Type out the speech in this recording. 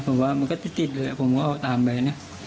ผมว่ามันก็ติดเลยผมก็เอาตามไปนะ